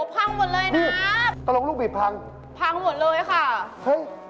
โคตรส่วนอะไรขึ้นน่ะ